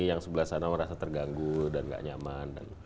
yang sebelah sana merasa terganggu dan gak nyaman